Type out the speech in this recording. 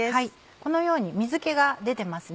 このように水気が出てますね。